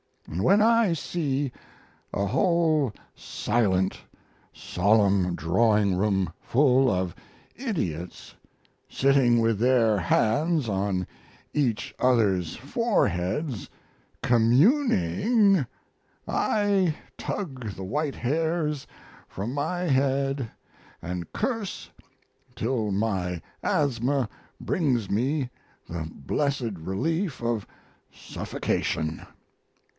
And when I see a whole silent, solemn drawing room full of idiots sitting with their hands on each other's foreheads "communing" I tug the white hairs from my head and curse till my asthma brings me the blessed relief of suffocation.